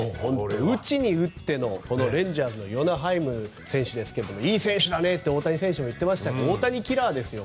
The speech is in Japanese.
打ちに打ってのレンジャーズのヨナ・ハイム選手ですがいい選手だねって大谷選手も言っていましたが大谷キラーですよ。